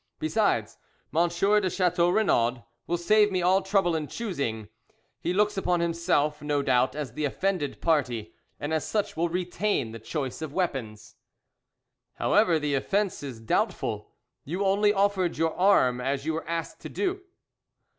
Besides, Monsieur de Chateau Renaud will save me all trouble in choosing; he looks upon himself, no doubt, as the offended party, and as such will retain the choice of weapons." "However, the offence is doubtful, you only offered your arm, as you were asked to do."